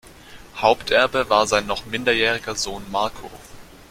Haupterbe war sein noch minderjähriger Sohn Marco.